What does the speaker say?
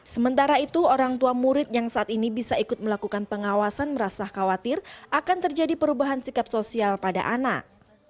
sementara itu orang tua murid yang saat ini bisa ikut melakukan pengawasan merasa khawatir akan terjadi perubahan sikap sosial pada anak